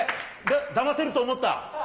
だませると思った？